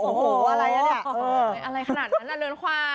โอ้โหอะไรอ่ะเนี่ยอะไรขนาดนั้นอ่ะเรือนขวา